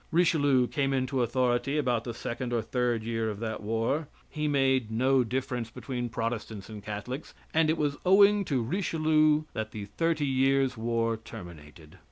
Richelieu came into authority about the second or third year of that war. He made no difference between Protestants and Catholics; and it was owing to Richelieu that the Thirty Years' War terminated.